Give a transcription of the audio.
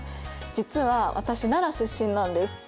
実は私奈良出身なんです。